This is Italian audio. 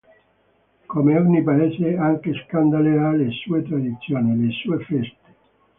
Come ogni paese, anche Scandale ha le sue tradizioni, le sue feste.